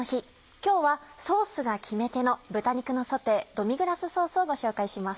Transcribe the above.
今日はソースが決め手の「豚肉のソテードミグラスソース」をご紹介します。